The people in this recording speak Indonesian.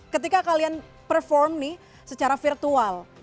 ketika kalian perform nih secara virtual